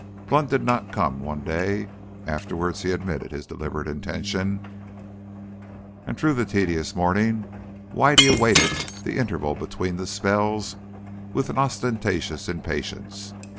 Blunt did not come one day afterwards he admitted his deliberate intention and through the tedious morning Whitey awaited the interval between the spells with an ostentatious impatience.